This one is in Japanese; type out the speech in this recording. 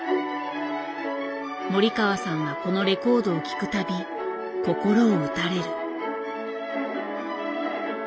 森川さんはこのレコードを聴く度心を打たれる。